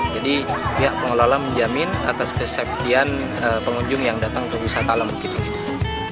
jadi pihak pengelola menjamin atas kesafian pengunjung yang datang ke wisata alam bukit tinggi di desa